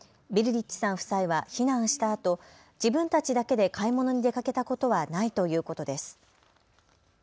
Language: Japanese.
リッチさん夫妻は避難したあと自分たちだけで買い物に出かけたことはないということです。